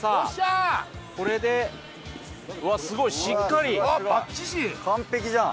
これでうわ、すごい、しっか完璧じゃん。